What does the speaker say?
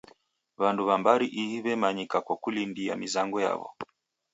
W'andu w'a mbari ihi w'emanyika kwa kulindia mizango yaw'o.